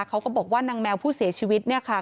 เขาก็บอกว่านางแมวผู้เสียชีวิตเนี่ยค่ะ